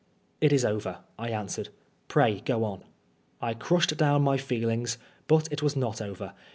" It is over," I answered. " Pray go on." I crushed down my feelings, but it was not over.